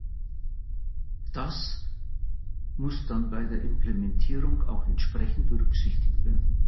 Das muss dann bei der Implementierung auch entsprechend berücksichtigt werden.